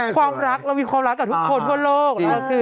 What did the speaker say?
ความรักเรามีความรักกับทุกคนทั่วโลก